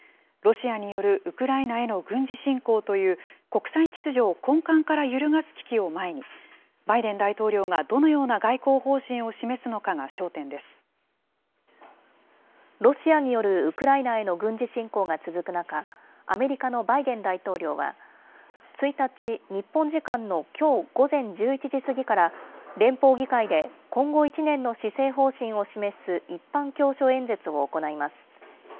ロシアによるウクライナへの軍事侵攻という、国際秩序を根幹から揺るがす危機を前に、バイデン大統領がどのような外交方針を示すロシアによるウクライナへの軍事侵攻が続く中、アメリカのバイデン大統領は、１日、日本時間のきょう午前１１時過ぎから、連邦議会で、今後１年の施政方針を示す一般教書演説を行います。